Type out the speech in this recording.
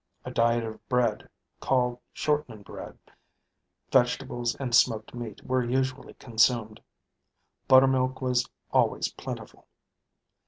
A diet of bread called "shortening bread," vegetables and smoked meat were usually consumed. Buttermilk was always plentiful.